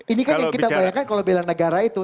ini kan yang kita bayangkan kalau bela negara itu